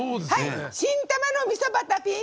「新たまのみそバタピー」